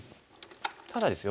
ただですよ